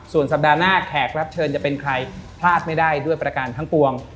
ส่วนสัปดาห์หน้าแขกรับเชิญจะเป็นใครพลาดไม่ได้ด้วยประการทั้งปวง